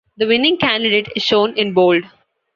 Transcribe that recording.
The winning candidate is shown in bold.